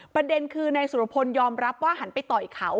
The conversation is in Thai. ประเด็นคือนายสุรพลยอมรับว่าหันไปต่อยเขา